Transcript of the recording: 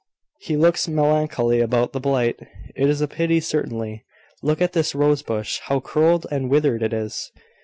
He looks melancholy about the blight. It is a pity certainly. Look at this rose bush, how curled and withered it is!"